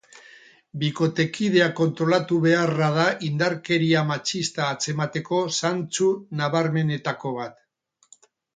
Bikotekidea kontrolatu beharra da indarkeria matxista atzemateko zantzu nabarmenetako bat.